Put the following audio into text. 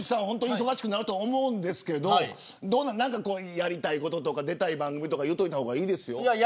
忙しくなると思うんですけどやりたいこととか出たい番組言った方がいいですよ。